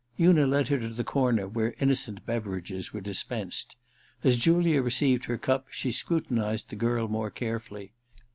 Una led her to the corner where innocent beverages were dispensed. As Julia received her cup she scrutinized the girl more carefully.